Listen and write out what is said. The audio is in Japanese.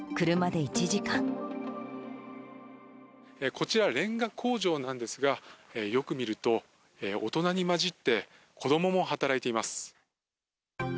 こちら、れんが工場なんですが、よく見ると、大人に交じって、子どもも働いています。